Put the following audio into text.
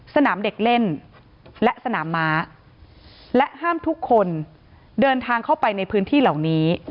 สนามเด็กเล่นและสนามม้าและห้ามทุกคนเดินทางเข้าไปในพื้นที่เหล่านี้